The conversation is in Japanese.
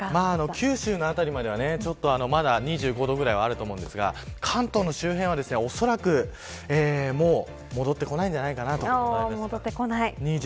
九州の辺りまではまだ２５度くらいあるのですが関東周辺は、おそらくもう戻ってこないと思います。